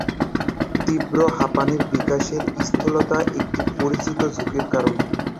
তীব্র হাঁপানির বিকাশে স্থূলতা একটি পরিচিত ঝুঁকির কারণ।